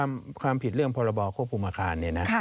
คือความผิดเรื่องพบโฆภูมิอาคารเนี่ยนะ